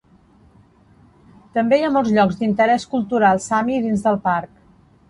També hi ha molts llocs d'interès cultural Sami dins del parc.